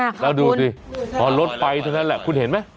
อ้าวเราดูดิอ๋อรถไปเท่านั้นแหละคุณเห็นไหม